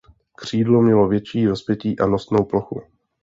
Křídlo mělo větší rozpětí a nosnou plochu.